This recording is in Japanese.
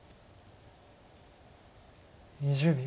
２０秒。